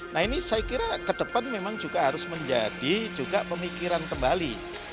nah ini saya kira ke depan memang juga harus menjadi juga pemikiran kembali